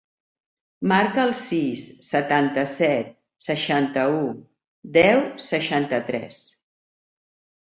Marca el sis, setanta-set, seixanta-u, deu, seixanta-tres.